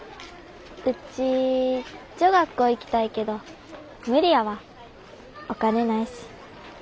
ウチ女学校行きたいけど無理やわお金ないし。